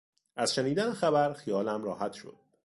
از شنیدن خبر خیالم راحت شد.